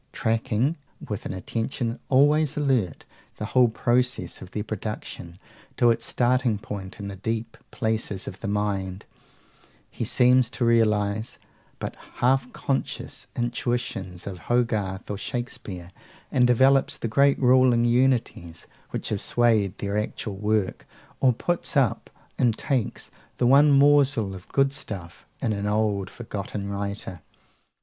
Tracking, with an attention always alert, the whole process of their production to its starting point in the deep places of the mind, he seems to realise the but half conscious intuitions of Hogarth or Shakespeare, and develops the great ruling unities which have swayed their actual work; or "puts up," and takes, the one morsel of good stuff in an old, forgotten writer.